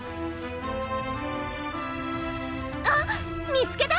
あっ見つけた！